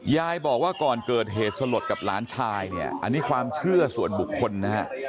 ยายบอกว่าก่อนเกิดเหตุสลดกับหลานชายเนี่ยอันนี้ความเชื่อส่วนบุคคลนะฮะ